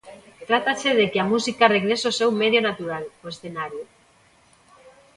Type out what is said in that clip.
Trátase de que a música regrese ao seu medio natural: o escenario.